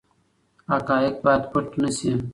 حقایق باید پټ نه سي.